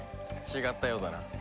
違ったようだな。